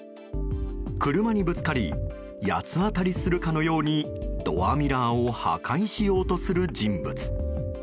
車にぶつかり八つ当たりするかのようにドアミラーを破壊しようとする人物。